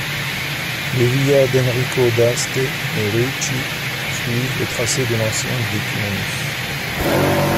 Les Via Enrico d'Aste et Ricci suivent le tracé de l'ancien Decumanus.